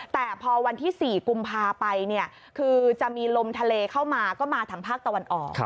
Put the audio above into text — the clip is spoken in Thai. แต่พอวันที่๔กุมภาไปเนี่ยคือจะมีลมทะเลเข้ามาก็มาทางภาคตะวันออก